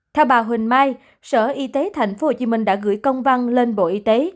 theo bà huỳnh mai sở y tế tp hcm đã gửi công văn lên bộ y tế